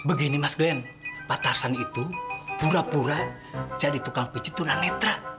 begini mas glen pak tarzan itu pura pura jadi tukang pijit tuna netra